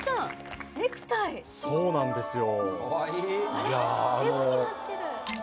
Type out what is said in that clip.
そうなんですよ